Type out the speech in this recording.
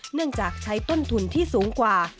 เนื่องจากใช้ต้นทุนที่สูงกว่า